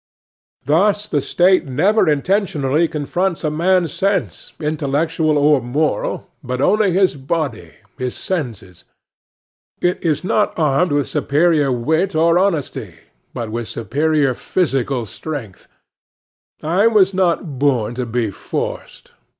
Thus the state never intentionally confronts a man's sense, intellectual or moral, but only his body, his senses. It is not armed with superior wit or honesty, but with superior physical strength. I was not born to be forced.